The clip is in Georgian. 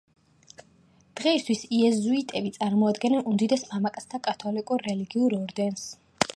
დღეისთვის იეზუიტები წარმოადგენენ უდიდეს მამაკაცთა კათოლიკურ რელიგიურ ორდენს.